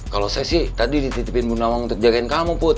kalau saya sih tadi dititipin bu nawang untuk jagain kamu put